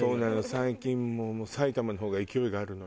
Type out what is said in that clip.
最近もう埼玉の方が勢いがあるの。